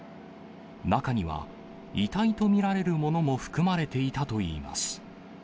中には、遺体と見られるものも含まれていたといいます。